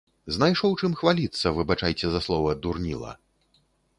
Знайшоў чым хваліцца, выбачайце за слова, дурніла.